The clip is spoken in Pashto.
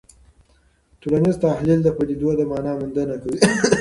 ټولنیز تحلیل د پدیدو د مانا موندنه کوي.